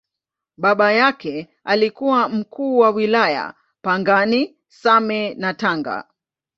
Baba yake alikuwa Mkuu wa Wilaya Pangani, Same na Tanga.